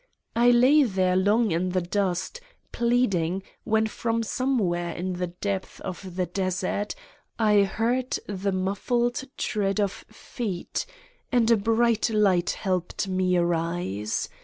I lay there long in the dust, plead ing, when from somewhere in the depths of the desert I heard the muffled tread of feet, and a bright light helped Me to arise.